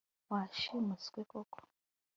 Washimuswe koko